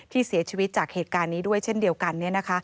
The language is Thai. เสียชีวิตจากเหตุการณ์นี้ด้วยเช่นเดียวกัน